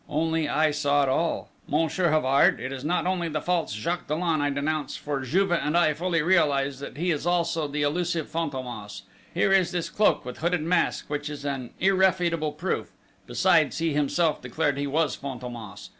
Only I saw it all.... Monsieur Havard, it is not only the false Jacques Dollon I denounce, for Juve and I fully realised that he was also the elusive Fantômas! Here is this cloak with hooded mask, which is an irrefutable proof: besides he himself declared he was Fantômas....